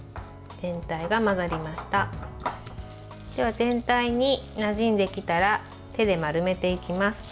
全体になじんできたら手で丸めていきます。